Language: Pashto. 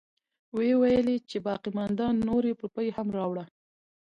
وويلې چې باقيمانده نورې روپۍ هم راوړه.